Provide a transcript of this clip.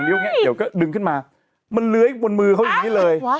เดี๋ยวก็ดึงขึ้นมามันเลื้อยบนมือเขาอย่างนี้เลย